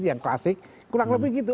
yang klasik kurang lebih gitu